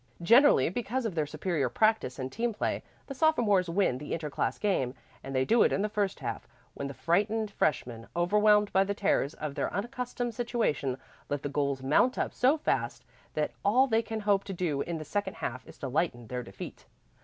Generally because of their superior practice and team play, the sophomores win the inter class game, and they do it in the first half, when the frightened freshmen, overwhelmed by the terrors of their unaccustomed situation, let the goals mount up so fast that all they can hope to do in the second half is to lighten their defeat.